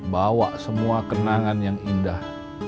bawa semua kenangan yang indah